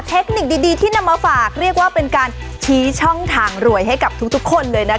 เทคนิคดีที่นำมาฝากเรียกว่าเป็นการชี้ช่องทางรวยให้กับทุกคนเลยนะคะ